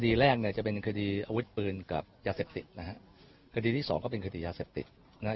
คดีแรกเนี่ยจะเป็นคดีอาวุธปืนกับยาเสพติดนะฮะคดีที่สองก็เป็นคดียาเสพติดนะฮะ